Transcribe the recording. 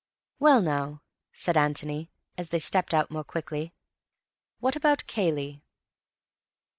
"Well, now," said Antony, as they stepped out more quickly, "what about Cayley?"